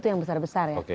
dan yang tidak terpenuhi